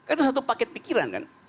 itu satu paket pikiran kan